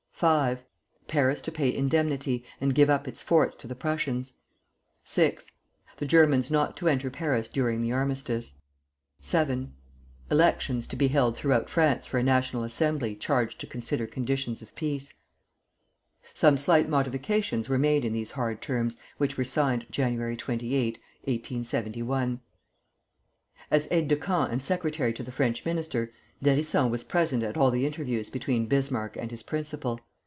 V. Paris to pay indemnity, and give up its forts to the Prussians. VI. The Germans not to enter Paris during the armistice. VII. Elections to be held throughout France for a National Assembly charged to consider conditions of peace. Some slight modifications were made in these hard terms, which were signed Jan. 28, 1871. As aide de camp and secretary to the French minister, d'Hérisson was present at all the interviews between Bismarck and his principal.